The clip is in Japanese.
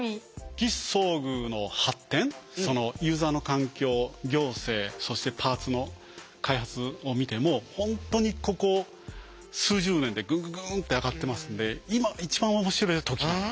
義肢装具の発展そのユーザーの環境行政そしてパーツの開発を見ても本当にここ数十年でグングングンって上がってますんで今一番面白い時なんで。